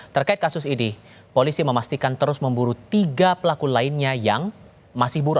terkait kasus ini polisi memastikan terus memburu tiga pelaku lainnya yang masih buruk